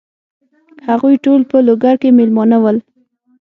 هغوی ټول په لوګر کې مېلمانه ول.